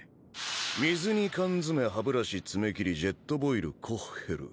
水に缶詰歯ブラシ爪切りジェットボイルコッヘル。